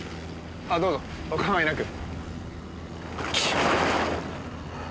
あっどうぞお構いなく。